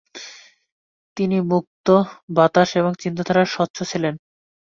তিনি মুক্ত বাতাস এবং চিন্তাধারায় স্বচ্ছ ছিলেন।